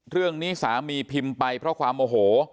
เรื่องนี้สามีพิมพ์ไปเพราะความโมโห